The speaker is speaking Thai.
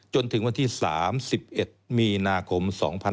จนถึงวันที่๓๑มีนาคม๒๕๖๒